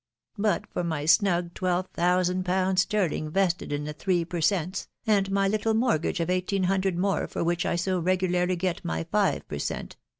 But for my snug twelve thousand pounds sterling vested in the three per cents, and my little mortgage of eighteen hundred more for which I so regularly get my five per cent.